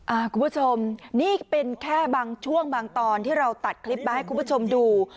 คุณผู้ชมนี่เป็นแค่บางช่วงบางตอนที่เราตัดคลิปมาให้คุณผู้ชมดู